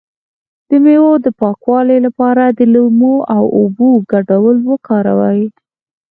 د میوو د پاکوالي لپاره د لیمو او اوبو ګډول وکاروئ